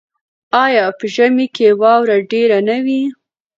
آیا په ژمي کې واوره ډیره نه وي؟